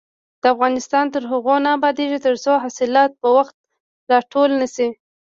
افغانستان تر هغو نه ابادیږي، ترڅو حاصلات په وخت راټول نشي.